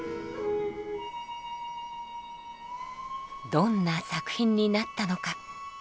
どんな作品になったのか。